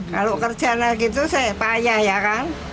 kalau kerjanya gitu saya payah ya kan